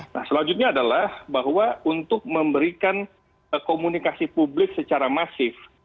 nah selanjutnya adalah bahwa untuk memberikan komunikasi publik secara masif